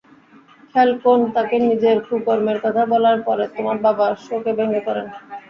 Falcone তাঁকে নিজের কুকর্মের কথা বলার পরে তোমার বাবা শোকে ভেঙে পড়েন।